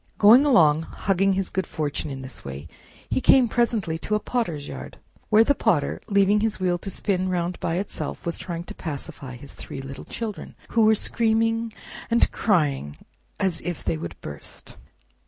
Going along, hugging his good fortune in this way, he came presently to a Potter's yard, where the Potter, leaving his wheel to spin round by itself, was trying to pacify his three little children, who were screaming arid crying as if they would burst.